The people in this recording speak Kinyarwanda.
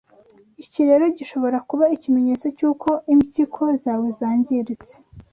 Iki rero gishobora kuba ikimenyetso cy’uko impyiko zawe zangiritse